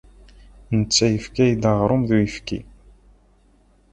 Netta yefka-iyi-d aɣrum d uyefki.